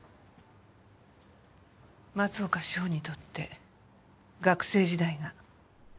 松岡志保にとって学生時代が。